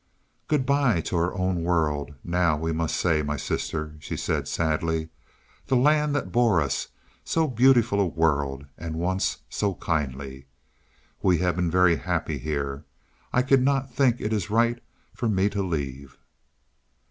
"Good by to our own world now we must say, my sister," she said sadly. "The land that bore us so beautiful a world, and once so kindly. We have been very happy here. And I cannot think it is right for me to leave."